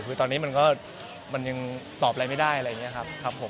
คือตอนนี้มันยังตอบอะไรไม่ได้อะไรอย่างนี้ครับครับผม